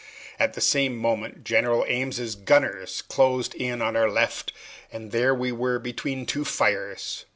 At the same moment General Ames's gunners closed in on our left, and there we were between two fires.